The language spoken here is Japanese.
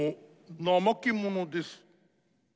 ナマケモノです。